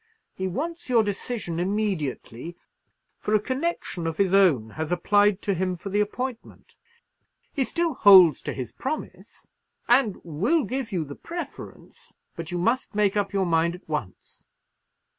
He wants your decision immediately; for a connection of his own has applied to him for the appointment. He still holds to his promise, and will give you the preference; but you must make up your mind at once."